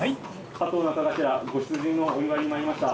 鹿頭中頭ご出陣のお祝いに参りました。